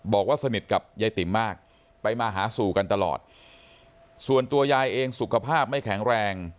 บอกว่าสนิทกับยายติ๋มมากไปมาหาสู่กันตลอดส่วนตัวยายเองสุขภาพไม่แข็งแรง